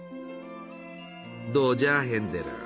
どうじゃヘンゼル？